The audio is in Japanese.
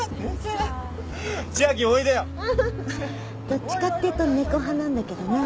どっちかっていうと猫派なんだけどな。